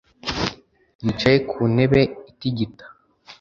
yicaye ku ntebe itigita